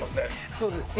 そうですね。